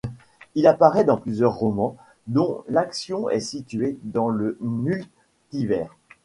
Il apparaît dans plusieurs romans dont l'action est située dans le multivers.